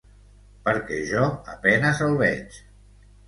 Perquè jo a penes el veig...